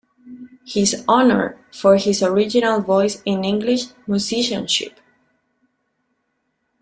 He is honoured for his original voice in English musicianship.